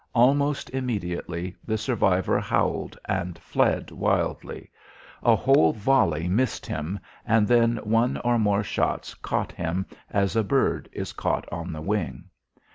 Almost immediately the survivor howled and fled wildly. A whole volley missed him and then one or more shots caught him as a bird is caught on the wing.